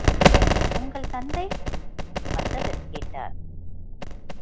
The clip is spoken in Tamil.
உங்கள் தந்தை? வந்தவர் கேட்டார்.